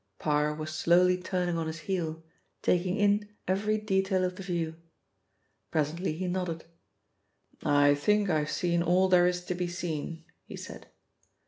Parr was slowly turning on his heel, taking in every detail of the view. Presently he nodded. "I think I have seen all there is to be seen," he said.